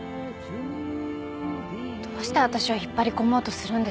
どうして私を引っ張りこもうとするんですか？